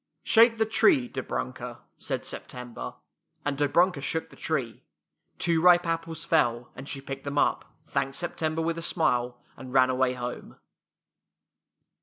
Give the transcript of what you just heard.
" Shake the tree, Dobrunka," said Sep tember, and Dobrunka shook the tree. Two ripe apples fell, and she picked them up, thanked September with a smile, and ran away home.